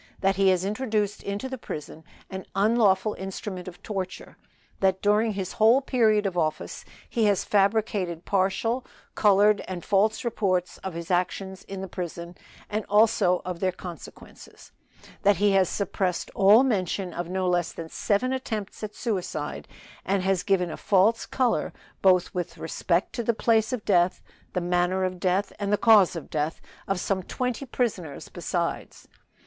That he has introduced into the prison an unlawful instrument of torture. That during his whole period of office he has fabricated partial, colored and false reports of his actions in the prison, and also of their consequences; that he has suppressed all mention of no less than seven attempts at suicide, and has given a false color, both with respect to the place of death, the manner of death and the cause of death of some twenty prisoners besides.